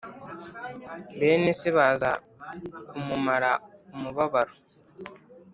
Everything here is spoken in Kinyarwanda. bene se baza kumumara umubabaro